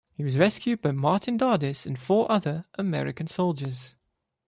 He was rescued by Martin Dardis and four other American soldiers.